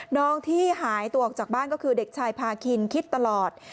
น้องที่หายตัวออกจากบ้านก็คือเด็กชายพาคินคิดตลอด